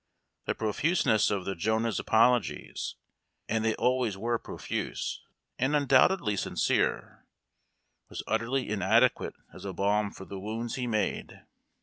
The profuseness of the Jonah's apolo gies — and they always were profuse, and undoubtedly sincere — was utterly inadequate as a balm for the wounds he made.